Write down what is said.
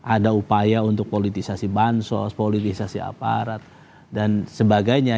ada upaya untuk politisasi bansos politisasi aparat dan sebagainya